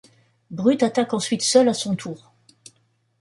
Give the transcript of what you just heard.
Brutt attaque ensuite seul à son tour.